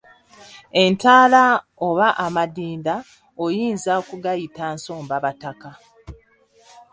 Entaala oba Amadinda oyinza okugayita Nsombabataka.